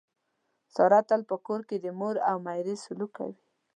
ساره تل په کور کې د مور او میرې سلوک کوي.